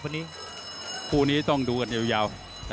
คู่นี้ต้องดูกันยาว